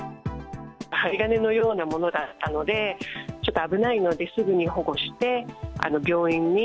針金のようなものだったので、ちょっと危ないのですぐに保護して、病院に。